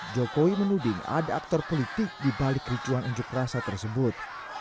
jokowi menuding ada aktor politik dibalik ricuan unjuk rasa tersebut